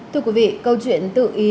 thưa quý vị câu chuyện tự ý